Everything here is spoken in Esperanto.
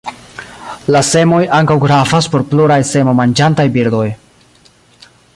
La semoj ankaŭ gravas por pluraj semo-manĝantaj birdoj.